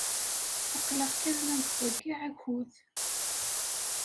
Aql-aɣ kan la nettḍeyyiɛ akud.